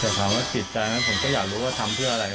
แต่ถามว่าจิตใจนั้นผมก็อยากรู้ว่าทำเพื่ออะไร